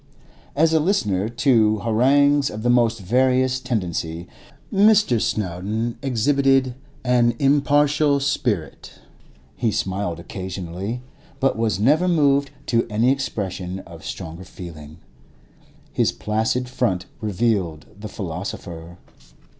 As a listener to harangues of the most various tendency, Mr. Snowdon exhibited an impartial spirit; he smiled occasionally, but was never moved to any expression of stronger feeling. His placid front revealed the philosopher.